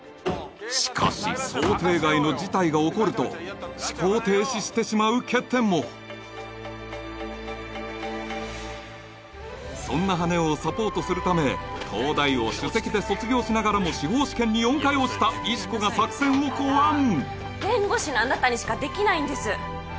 しかし想定外の事態が起こると思考停止してしまう欠点もそんな羽男をサポートするため東大を首席で卒業しながらも司法試験に４回落ちた石子が作戦を考案弁護士のあなたにしかできないんです